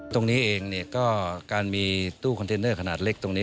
ตรงนี้เองก็การมีตู้คอนเทนเนอร์ขนาดเล็กตรงนี้